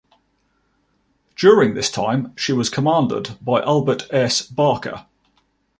During this time, she was commanded by Albert S. Barker.